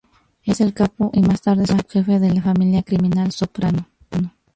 Es el "Capo", y más tarde subjefe, de la familia criminal Soprano.